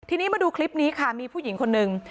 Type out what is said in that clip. ทีนี้มาดูคลิปนี้ค่ะมีผู้หญิงคนหนึ่ง